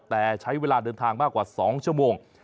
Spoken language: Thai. แต่ใช้เวลาเดินทางมากกว่า๒ชั่วโมง